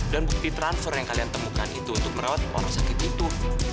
dan bukti transfer yang kalian temukan itu untuk merawat orang sakit itu